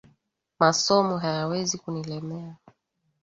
Masomo hayawezi kunilemea